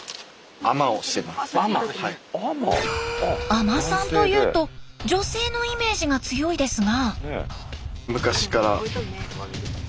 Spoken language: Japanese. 海人さんというと女性のイメージが強いですが。